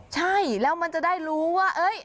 ใช่แล้วมันจะได้รู้ว่า